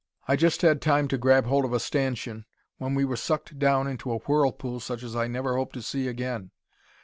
"I just had time to grab hold of a stanchion, when we were sucked down into a whirlpool such as I never hope to see again.